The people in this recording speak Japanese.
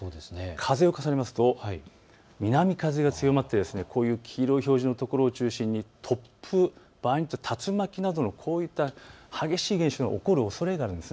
風を重ねますと南風が強まってこういう黄色い表示のところを中心に突風、場合によっては竜巻などのこういった激しい現象が起こるおそれがあります。